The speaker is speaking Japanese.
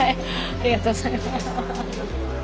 ありがとうございます。